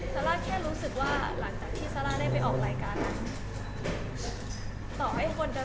ซาร่าแค่รู้สึกว่าหลังจากที่ซาร่าได้ไปออกรายการ